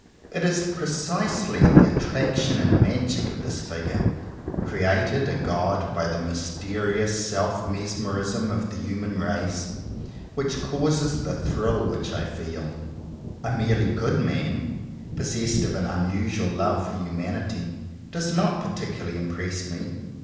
It is precisely the attraction and magic of this Figure, created a God by the mysterious self mesmerism of the human race, which causes the thrill which I feel. A merely good man, possessed of an unusual love for humanity, does not particularly impress me.